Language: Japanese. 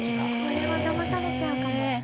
これはだまされちゃうかも。